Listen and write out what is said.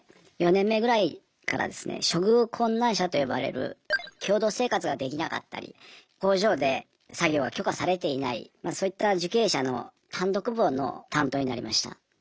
４年目ぐらいからですね処遇困難者と呼ばれる共同生活ができなかったり工場で作業が許可されていないそういった受刑者の単独房の担当になりました。